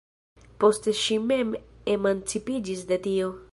Poste ŝi mem emancipiĝis de tio.